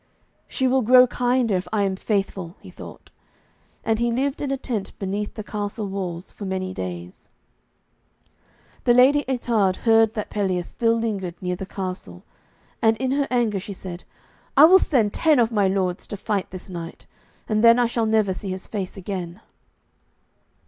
'She will grow kinder if I am faithful,' he thought, and he lived in a tent beneath the castle walls for many days. The Lady Ettarde heard that Pelleas still lingered near the castle, and in her anger she said, 'I will send ten of my lords to fight this knight, and then I shall never see his face again.'